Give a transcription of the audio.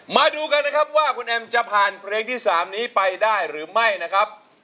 มาดูกันนะครับว่าคุณแอมจะผ่านเพลงที่๓นี้ไปได้หรือไม่นะครับ